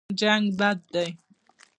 جنګ بد دی.